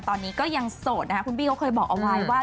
ตอนนี้ก็ยังโสดนะครับคุณบี้เขาเคยบอกเอาไว้ว่า